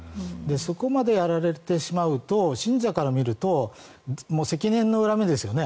そこまでやられてしまうと信者から見ると積年の恨みですよね。